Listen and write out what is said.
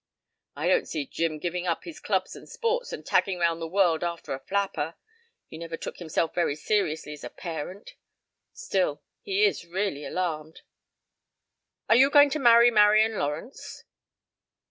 "I don't see Jim giving up his clubs and sports, and tagging round the world after a flapper. He never took himself very seriously as a parent ... still, he is really alarmed. ... Are you going to marry Marian Lawrence?"